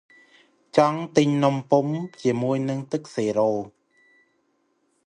ចង់ទិញនំពុម្ពជាមួយទឹកស៊ីរ៉ូប។